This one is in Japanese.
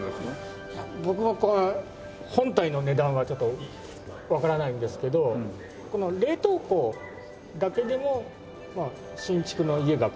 僕は本体の値段はちょっとわからないんですけどこの冷凍庫だけでも新築の家が買えるぐらいと。